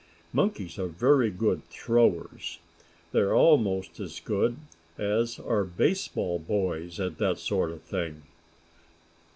Monkeys are very good throwers. They are almost as good as are baseball boys at that sort of thing.